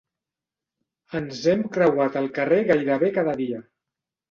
Ens hem creuat al carrer gairebé cada dia.